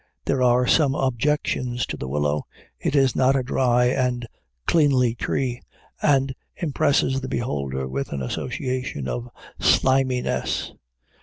There are some objections to the willow: it is not a dry and cleanly tree, and impresses the beholder with an association of sliminess.